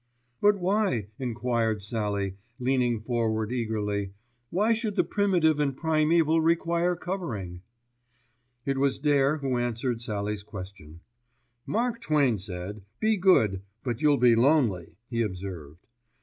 "But why," enquired Sallie, leaning forward eagerly, "why should the primitive and primæval require covering?" It was Dare who answered Sallie's question. "Mark Twain said, 'Be good; but you'll be lonely,'" he observed.